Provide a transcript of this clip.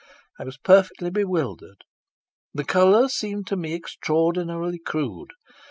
I was perfectly bewildered. The colour seemed to me extraordinarily crude.